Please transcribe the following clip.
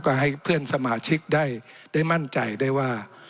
ก็ให้เพื่อนสมาชิกได้มั่นใจได้ว่า